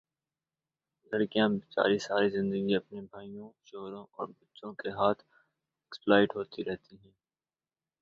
لڑکیاں بے چاری ساری زندگی اپنے بھائیوں، شوہر اور بچوں کے ہاتھوں ایکسپلائٹ ہوتی رہتی ہیں